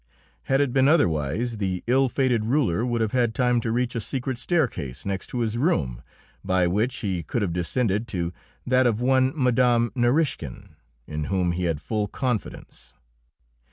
Had it been otherwise, the ill fated ruler would have had time to reach a secret staircase next to his room, by which he could have descended to that of one Mme. Narischkin, in whom he had full confidence.